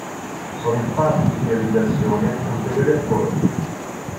Sono in fase di finalizzazione ulteriori accordi.